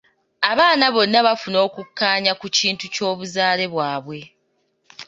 Abaana bonna bafuna okukkaanya ku kintu ky'obuzaale bwabwe.